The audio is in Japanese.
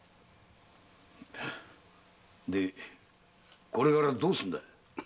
でこれからどうするんだ？